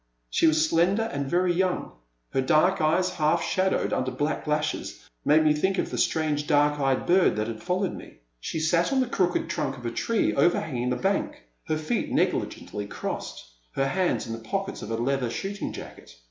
She was slender and very young. Her dark eyes, half shadowed under black lashes, made me think of the strange, dark eyed bird that had followed me. She sat on the crooked trunk of a tree over hanging the bank, her feet negligently crossed, her hands in the pockets of a leather shooting jacket.